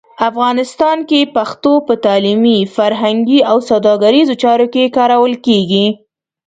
افغانستان کې پښتو په تعلیمي، فرهنګي او سوداګریزو چارو کې کارول کېږي.